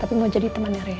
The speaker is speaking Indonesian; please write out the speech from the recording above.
tapi mau jadi temannya rea